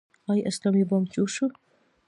آیا اسلامي بانک جوړ شو؟